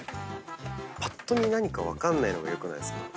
ぱっと見何か分かんないのがよくないですか。